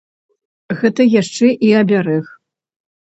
Гэта яшчэ і абярэг.